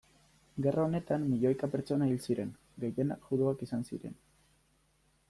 Gerra honetan milioika pertsona hil ziren, gehienak juduak izan ziren.